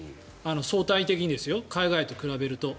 相対的にですよ海外と比べると。